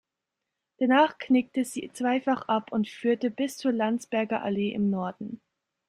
Danach knickt sie zweifach ab und führt bis zur Landsberger Allee im Norden.